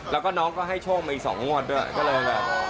แล้วก็น้องก็ให้โชคไปอีก๒งวดด้วย